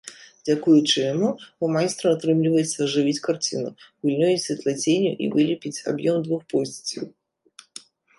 Дзякуючы яму ў майстра атрымліваецца ажывіць карціну гульнёй святлаценю і вылепіць аб'ём двух постацяў.